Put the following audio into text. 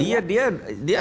iya dia dia